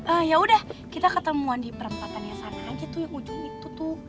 ah yaudah kita ketemuan di perempatannya sana aja tuh yang ujung itu tuh